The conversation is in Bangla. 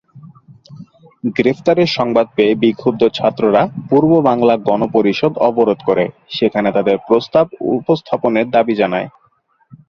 গ্রেফতারের সংবাদ পেয়ে বিক্ষুব্ধ ছাত্ররা পূর্ব বাংলা গণপরিষদ অবরোধ করে সেখানে তাদের প্রস্তাব উপস্থাপনের দাবি জানায়।